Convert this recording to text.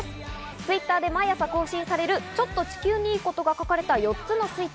Ｔｗｉｔｔｅｒで毎朝更新される、ちょっと地球にいいことが描かれた４つのスイッチ。